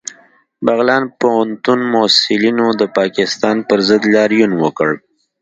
بغلان پوهنتون محصلینو د پاکستان پر ضد لاریون وکړ